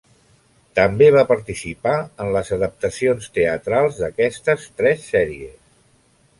També va participar en les adaptacions teatrals d'aquestes tres sèries.